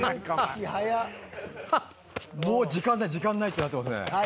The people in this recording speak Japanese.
「もう時間ない時間ない！ってなってますね」